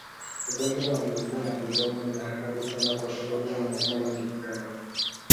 Ugonjwa wa miguu na midomo si hatari sana kwa sababu wanyama wengi hupona